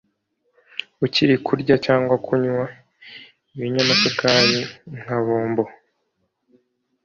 ukirinda kurya cyangwa kunywa ibinyamasukari nka bombo